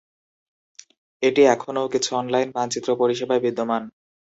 এটি এখনও কিছু অনলাইন মানচিত্র পরিষেবায় বিদ্যমান।